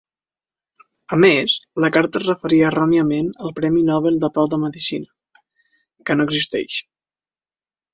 A més, la carta es referia erròniament al Premi Nobel de Pau en Medicina, que no existeix.